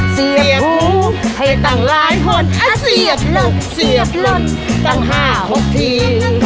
เสียบหูให้ตั้งหลายคนเสียบหลุดเสียบหลุดตั้งห้าหกที